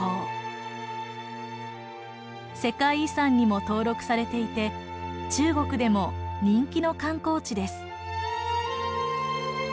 世界遺産にも登録されていて中国でも人気の観光地です。